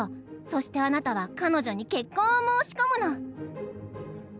そしてあなたは彼女に結婚を申し込むの」。